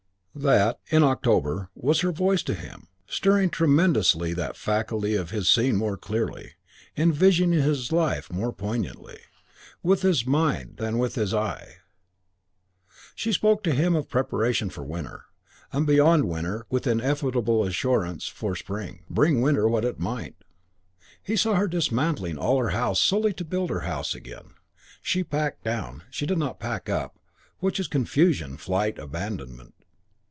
That, in October, was her voice to him, stirring tremendously that faculty of his of seeing more clearly, visioning life more poignantly, with his mind than with his eye. She spoke to him of preparation for winter, and beyond winter with ineffable assurance for spring, bring winter what it might. He saw her dismantling all her house solely to build her house again. She packed down. She did not pack up, which is confusion, flight, abandonment.